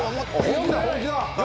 本気だ。